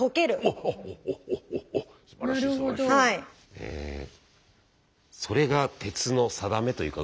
えそれが鉄の定めというか。